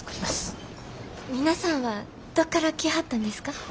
皆さんはどっから来はったんですか？